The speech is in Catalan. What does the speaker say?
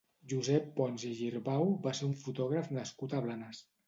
Josep Pons i Girbau va ser un fotògraf nascut a Blanes.